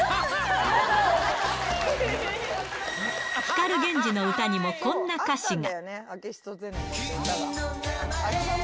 光ＧＥＮＪＩの歌にもこんな歌詞が。